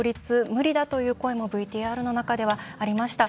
無理だという声もＶＴＲの中ではありました。